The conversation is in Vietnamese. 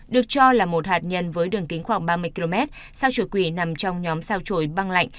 được cho là một hạt nhân với đường kính khoảng ba mươi km sau chùa quỷ nằm trong nhóm sao trổi băng lạnh